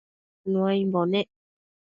Nuaimbo nec